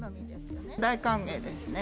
大歓迎ですね。